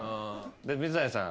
水谷さん。